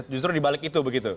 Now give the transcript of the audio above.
justru dibalik itu begitu